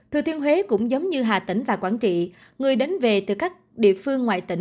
thừa thiên huế cũng giống như hà tĩnh và quảng trị người đến về từ các địa phương ngoại tỉnh